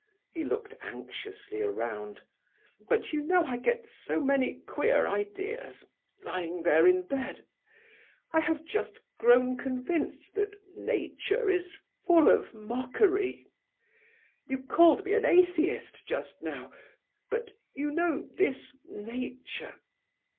He looked anxiously around. "But you know I get so many queer ideas, lying there in bed. I have grown convinced that nature is full of mockery—you called me an atheist just now, but you know this nature...